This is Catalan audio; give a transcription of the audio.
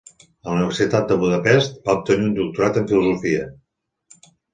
A la Universitat de Budapest, va obtenir un doctorat en filosofia.